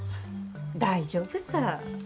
大丈夫さ。